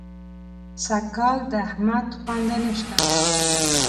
سږکال د احمد خونده نه شته.